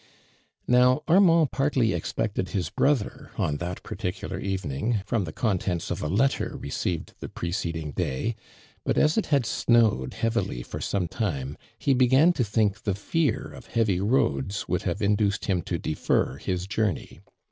Now Armand partly expected his brother on that particular evening, from the con tents of a letter received the preceding day, but as it had 8nowo<l heavily for some time, he began to think the fear of heavy roatls would have induced liim to defer his jour ney.